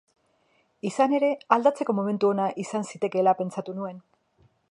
Izena ere aldatzeko momentu ona izan zitekeela pentsatu nuen.